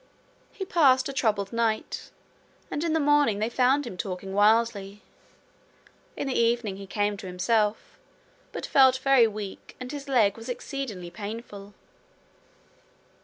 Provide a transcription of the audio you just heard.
He passed a troubled night, and in the morning they found him talking wildly. In the evening he came to himself, but felt very weak, and his leg was exceedingly painful.